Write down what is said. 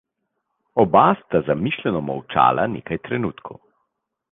Oba sta zamišljeno molčala nekaj trenutkov.